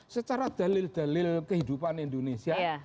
secara dalil dalil kehidupan indonesia